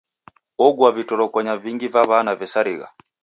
Ogua vitorokonya vingi va w'ana vesarigha.